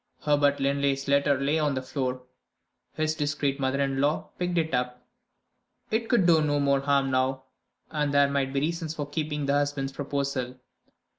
Herbert Linley's letter lay on the floor; his discreet mother in law picked it up. It could do no more harm now, and there might be reasons for keeping the husband's proposal.